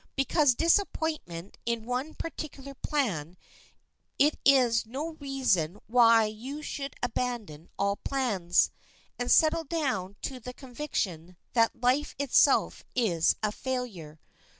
Because disappointed in one particular plan, it is no reason why you should abandon all plans, and settle down to the conviction that life itself is a failure.